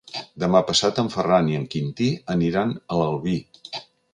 Demà passat en Ferran i en Quintí aniran a l'Albi.